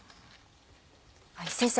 先生